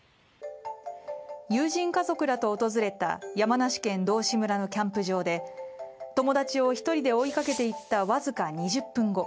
友人家族らと訪れた山梨県道志村のキャンプ場で友達を１人で追いかけていった僅か２０分後